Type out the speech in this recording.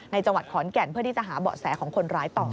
จังหวัดขอนแก่นเพื่อที่จะหาเบาะแสของคนร้ายต่อ